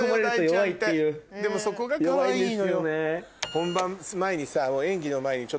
本番前にさ。